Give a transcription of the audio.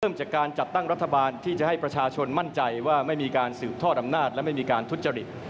เริ่มจากการจัดตั้งรัฐบาลที่จะให้ประชาชนมั่นใจว่าไม่มีการสืบทอดอำนาจและไม่มีการทุจริต